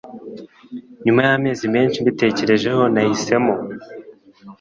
Nyuma yamezi menshi mbitekerejeho nahisemo